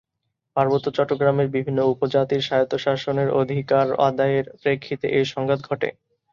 পার্বত্য চট্টগ্রামের বিভিন্ন উপজাতির স্বায়ত্তশাসনের অধিকার আদায়ের প্রেক্ষিতে এ সংঘাত ঘটে।